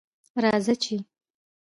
راځه چې